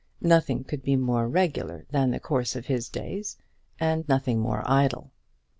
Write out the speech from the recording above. Nothing could be more regular than the course of his days, and nothing more idle.